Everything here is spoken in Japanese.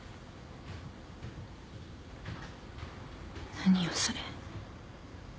何よそれ。